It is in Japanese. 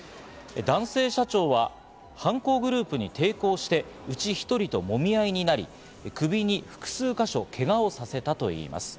男性社長は犯行グループに抵抗して、うち１人ともみ合いになり、首に複数か所、けがをさせたといいます。